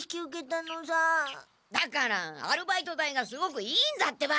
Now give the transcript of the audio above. だからアルバイト代がすごくいいんだってば！